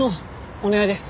お願いです。